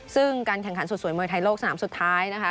ซึ่งการแข่งขันสุดสวยมวยไทยโลกสนามสุดท้ายนะคะ